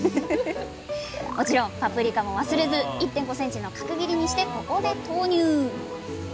もちろんパプリカも忘れず１．５ｃｍの角切りにしてここで投入！